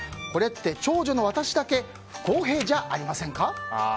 これって長女の私だけ不公平じゃありませんか？